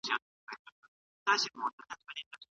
انټرنیټ د تجربو د تبادلې لپاره یو ښه ډګر دی.